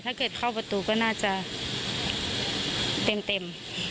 ถ้าเกิดเข้าประตูก็น่าจะเต็ม